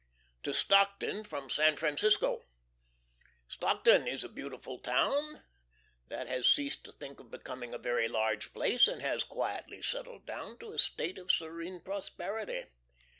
To Stockton from San Francisco. Stockton is a beautiful town, that has ceased to think of becoming a very large place, and has quietly settled down into a state of serene prosperity.